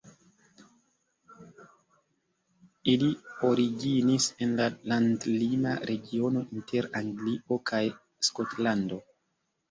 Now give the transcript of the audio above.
Ili originis en la landlima regiono inter Anglio kaj Skotlando.